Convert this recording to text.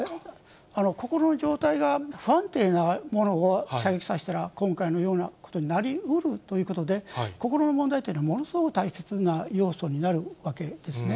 心の状態が不安定な者を射撃させたら、今回のようなことになりうるということで、心の問題っていうのはものすごく大切な要素になるわけですね。